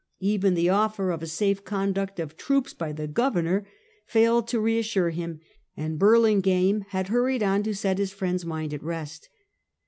Even the offer of a safe conduct of troops by the governor, failed to reassure him, and Burlingame had hurried on to set his friend's mind at rest.